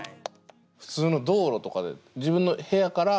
普通の道路とかで自分の部屋から？